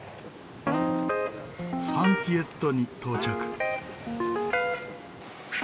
ファンティエットに到着。